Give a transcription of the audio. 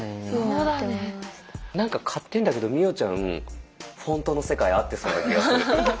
何か勝手にだけど美音ちゃんフォントの世界合ってそうな気がする。